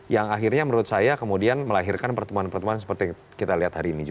yang akhirnya menurut saya kemudian melahirkan pertemuan pertemuan seperti yang kita lihat hari ini